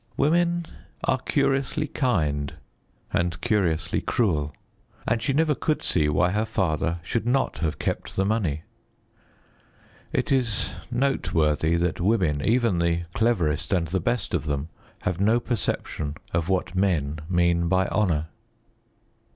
Women are curiously kind and curiously cruel. And she never could see why her father should not have kept the money. It is noteworthy that women, even the cleverest and the best of them, have no perception of what men mean by honour.